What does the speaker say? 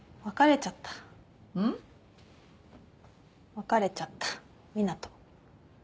別れちゃった湊斗。